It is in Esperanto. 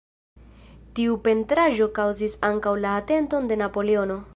Tiu pentraĵo kaŭzis ankaŭ la atenton de Napoleono.